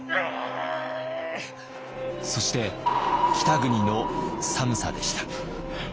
そして北国の寒さでした。